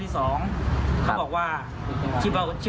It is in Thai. กระทั่งเด็กคลอดออกมาก่อนกำหนด